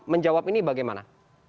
menjawab ini bagaimana